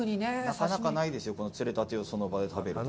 なかなかないですよ、釣れたてをその場で食べるって。